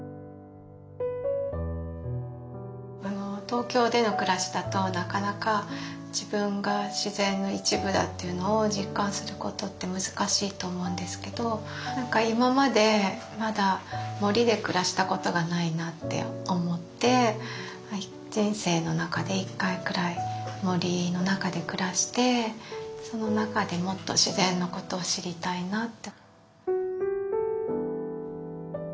東京での暮らしだとなかなか自分が自然の一部だっていうのを実感することって難しいと思うんですけどなんか今までまだ森で暮らしたことがないなって思って人生の中で一回くらい森の中で暮らしてその中でもっと自然のことを知りたいなと。